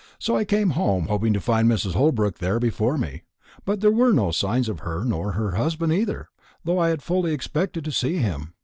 So I came home, hoping to find Mrs. Holbrook there before me. But there were no signs of her, nor of her husband either, though I had fully expected to see him.